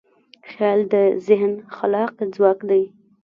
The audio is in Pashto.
خیال د ذهن خلاقه ځواک دی.